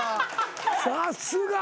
さすが！